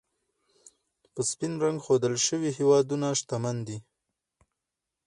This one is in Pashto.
په سپین رنګ ښودل شوي هېوادونه، شتمن دي.